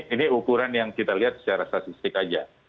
ini ukuran yang kita lihat secara statistik saja